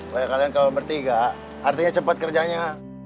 kalau kalian bertiga artinya cepat kerjanya